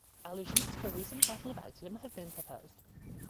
Allusions to the recent Battle of Actium have been proposed.